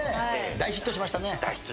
大ヒットしました。